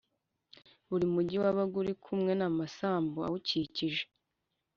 Buri mugi wabaga uri kumwe n amasambu awukikije